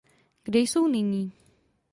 Kde jsou nyní?